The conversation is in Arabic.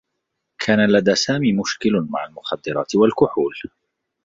كان لدى سامي مشكل مع المخدّرات و الكحول.